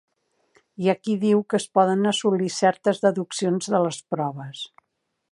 Hi ha qui diu que es poden assolir certes deduccions de les proves.